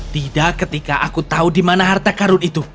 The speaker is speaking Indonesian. tidak ketika aku tahu di mana harta karun itu